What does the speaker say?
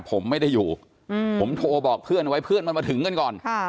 ผมไม่ได้อยู่ผมโทรบอกเพื่อนไว้เพื่อนมันมาถึงกันก่อน